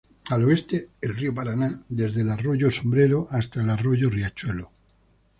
Al oeste el río Paraná desde el arroyo Sombrero hasta el arroyo Riachuelo.